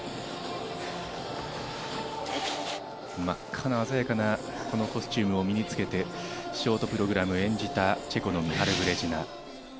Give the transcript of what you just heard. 真っ赤な鮮やかなコスチュームを身につけてショートプログラムを演じたチェコのミハル・ブレジナ。